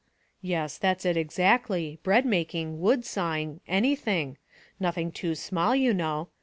" Yes, that's it exactly — bread making, wood sawing, anything. Nothing too small, you know.